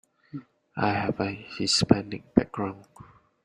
I have a Hispanic background